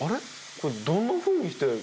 これどんなふうにして。